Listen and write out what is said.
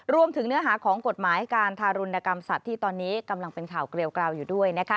เนื้อหาของกฎหมายการทารุณกรรมสัตว์ที่ตอนนี้กำลังเป็นข่าวเกลียวกราวอยู่ด้วยนะคะ